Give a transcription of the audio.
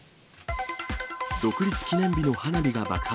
独立記念日の花火が爆発。